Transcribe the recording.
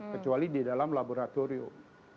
kecuali di dalam laboratorium